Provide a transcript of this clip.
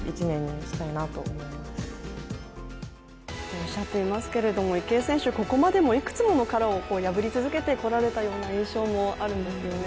おっしゃっていますけれども池江選手、ここまでもいくつもの殻を破り続けてこられたような印象もあるんですよね。